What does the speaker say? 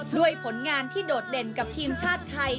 ผลงานที่โดดเด่นกับทีมชาติไทย